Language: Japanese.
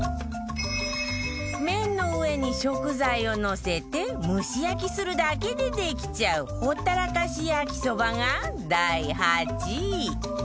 麺の上に食材をのせて蒸し焼きするだけでできちゃうほったらかし焼きそばが第８位